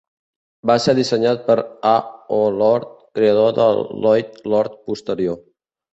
Va ser dissenyat per A.O. Lord, creador del Loyd-Lord posterior.